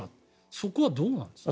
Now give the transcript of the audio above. そこはどうなんですか。